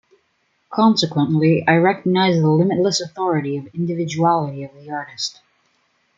Consequently I recognize the limitless authority of individuality of the artist ...